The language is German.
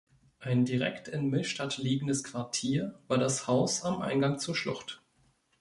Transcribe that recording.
Ein direkt in Millstatt liegendes Quartier war das Haus am Eingang zur Schlucht.